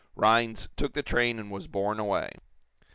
Rhinds took the train and was borne away.